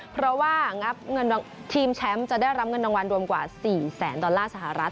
เพราะว่างับเงินทีมแชมป์จะได้รับเงินรางวัลรวมกว่า๔แสนดอลลาร์สหรัฐ